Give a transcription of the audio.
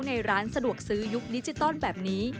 ในร้านสะดวกซื้อยุคดิจิตอลแบบนี้